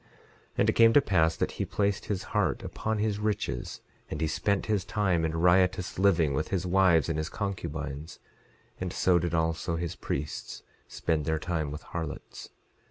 11:14 And it came to pass that he placed his heart upon his riches, and he spent his time in riotous living with his wives and his concubines; and so did also his priests spend their time with harlots.